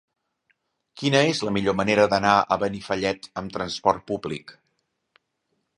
Quina és la millor manera d'anar a Benifallet amb trasport públic?